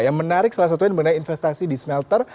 yang menarik salah satunya mengenai investasi di smelter